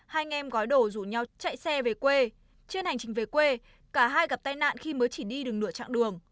hai anh em gói đổ rủ nhau chạy xe về quê trên hành trình về quê cả hai gặp tai nạn khi mới chỉ đi đường nửa chặng đường